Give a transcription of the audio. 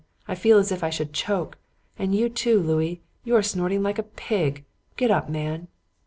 I feel as if I should choke. And you, too, Louis; you are snorting like a pig. Get up, man.'